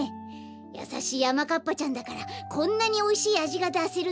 やさしいあまかっぱちゃんだからこんなにおいしいあじがだせるんだね。